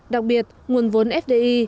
đặc biệt nguồn vốn fdi